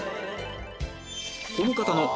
この方の